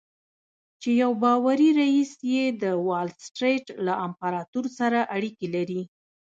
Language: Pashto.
چې يو باوري رييس يې د وال سټريټ له امپراتور سره اړيکې لري.